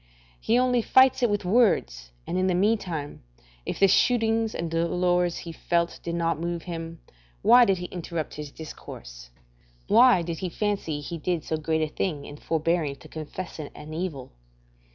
He only fights it with words, and in the meantime, if the shootings and dolours he felt did not move him, why did he interrupt his discourse? Why did he fancy he did so great a thing in forbearing to confess it an evil?